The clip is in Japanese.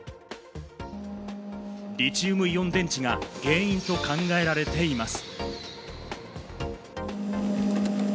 リチウムイオン電池が原因と考えられています。